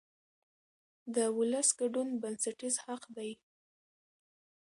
د ولس ګډون بنسټیز حق دی